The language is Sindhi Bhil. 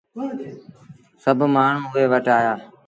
سڀ مآڻهوٚ اُئي وٽ آيآ۔